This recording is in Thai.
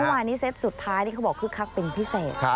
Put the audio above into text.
วานี้เซตสุดท้ายนี่เขาบอกคึกคักเป็นพิเศษ